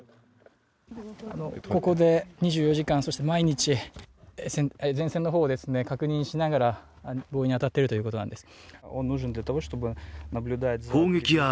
ここで２４時間、そして毎日、前線の方を確認しながら防衛に当たっているということなんです。